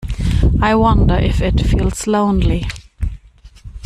I wonder if it feels lonely.